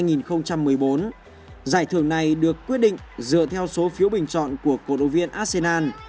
giải thưởng này được quyết định dựa theo số phiếu bình chọn của cộng đồng viên arsenal